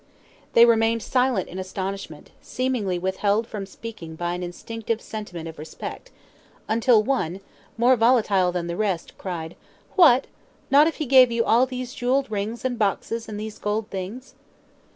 They remained silent in astonishment, seemingly withheld from speaking by an instinctive sentiment of respect; until one, more volatile than the rest, cried, "What! not if he gave you all these jewelled rings and boxes, and these golden things?"